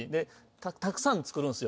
たくさん作るんすよ